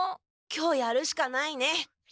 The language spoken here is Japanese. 今日やるしかないね。